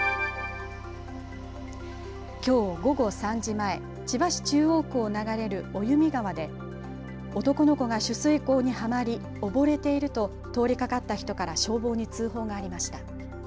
きょう、午後３時前、千葉市中央区を流れる生実川で男の子が取水口にはまり溺れていると通りかかった人から消防に通報がありました。